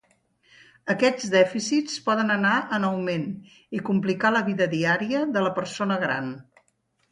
Aquests dèficits poden anar en augment i complicar la vida diària de la persona gran.